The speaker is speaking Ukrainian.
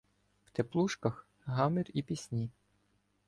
В "теплушках" — гамір і пісні.